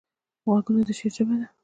غوږونه د شعر ژبه ده